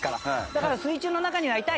だから水中の中にはいたい。